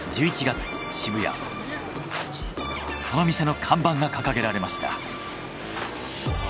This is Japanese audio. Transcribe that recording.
その店の看板が掲げられました。